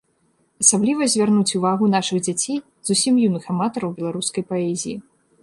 Асабліва звярнуць увагу нашых дзяцей, зусім юных аматараў беларускай паэзіі.